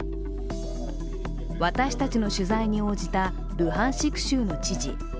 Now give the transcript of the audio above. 私たちの取材に応じたルハンシク州の知事。